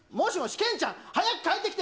けんちゃん？早く帰ってきて。